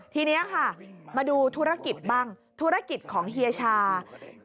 ทีนี้ค่ะมาดูธุรกิจบ้างธุรกิจของเฮียชา